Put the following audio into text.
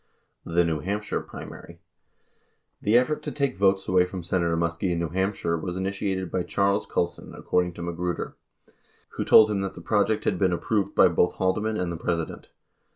The New Hampshire Primary : The effort to take votes away from Senator Muskie in New Hampshire was initiated by Charles Colson, according to Magruder, who told him that the project had been ap proved by both Haldeman and the President.